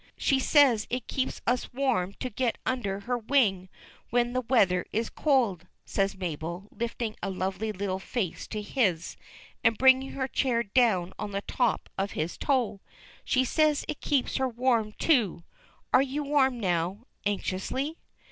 "She says it keeps us warm to get under her wing when the weather is cold," says Mabel, lifting a lovely little face to his and bringing her chair down on the top of his toe. "She says it keeps her warm, too. Are you warm now?" anxiously.